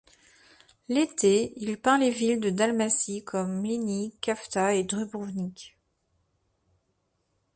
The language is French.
L'été, il peint les villes de Dalmatie comme Mlini, Cavtat, et Dubrovnik.